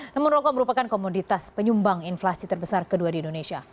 namun rokok merupakan komoditas penyumbang inflasi terbesar kedua di indonesia